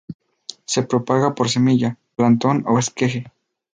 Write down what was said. Se propaga por semilla, plantón o esqueje.